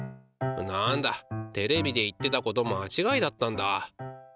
なんだテレビで言ってたことまちがいだったんだ。